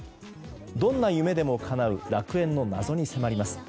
どんな夢でもかなう楽園の謎に迫ります。